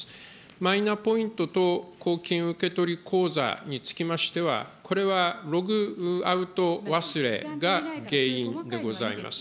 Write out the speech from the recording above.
マイナポイントと公金受取口座につきましては、これはログアウト忘れが原因でございます。